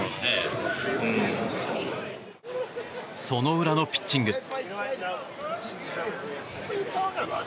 その裏のピッチング。